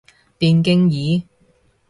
電競椅